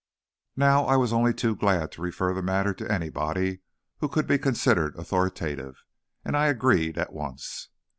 Now, I was only too glad to refer the matter to anybody who could be considered authoritative, and I agreed at once.